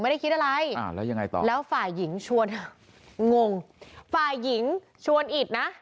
ไม่ได้คิดอะไรอ่าแล้วยังไงต่อแล้วฝ่ายหญิงชวนงงฝ่ายหญิงชวนอิดนะ